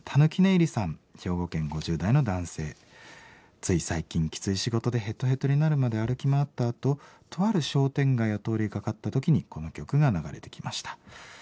「つい最近きつい仕事でヘトヘトになるまで歩き回ったあととある商店街を通りかかった時にこの曲が流れてきました。